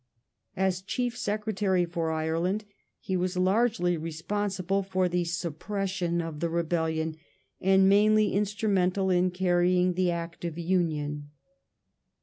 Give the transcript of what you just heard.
As Chief Secretary for Ireland he was largely responsible for the suppression of the rebellion and mainly instrumental in carrying the Act of Union.